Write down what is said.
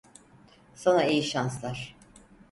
Sana iyi şanslar.